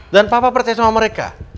dan papa percaya sama mereka